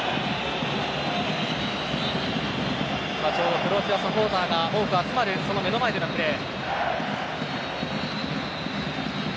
クロアチアサポーターが多く集まるその目の前でのプレー。